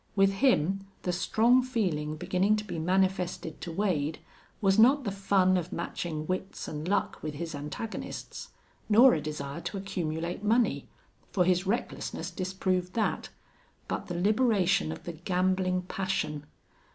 With him, the strong feeling beginning to be manifested to Wade was not the fun of matching wits and luck with his antagonists, nor a desire to accumulate money for his recklessness disproved that but the liberation of the gambling passion.